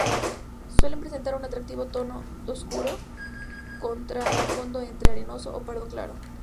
Suelen presentar un atractivo tono oscuro contra un fondo entre arenoso a pardo claro.